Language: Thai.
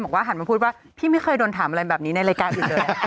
หันมาพูดว่าพี่ไม่เคยโดนถามอะไรแบบนี้ในรายการอื่นเลย